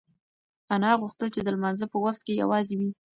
انا غوښتل چې د لمانځه په وخت کې یوازې وي.